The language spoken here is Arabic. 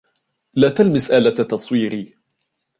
لا تلمس آلة تصويري.